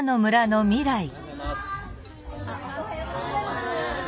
おはようございます。